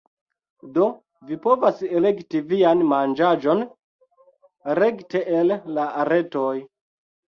Do, vi povas elekti vian manĝaĵon rekte el la retoj